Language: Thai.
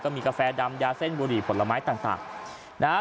มีกาแฟดำยาเส้นบุหรี่ผลไม้ต่างนะฮะ